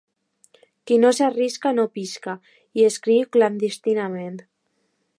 «Qui no s'arrisca no pisca», hi escriu clandestinament.